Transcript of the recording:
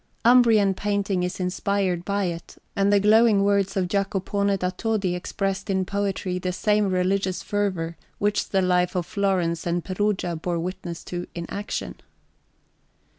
Umbrian painting is inspired by it, and the glowing words of Jacopone da Todi expressed in poetry the same religious fervour which the life of Florence and Perugia bore witness to in action.